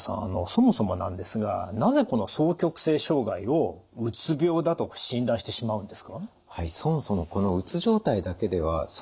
そもそもなんですがなぜこの双極性障害をうつ病だと診断してしまうんですか？